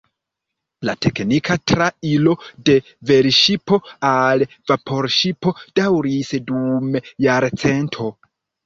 La teknika trairo de velŝipo al vaporŝipo daŭris dum jarcento.